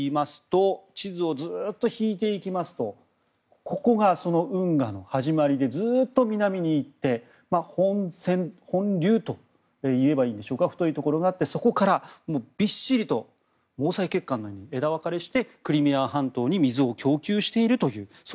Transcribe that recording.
地図をずっと引いていきますとここが運河の始まりでずっと南に行って本流という太いところがあってそこから、びっしりと毛細血管のように枝分かれしてクリミア半島に水を供給しています。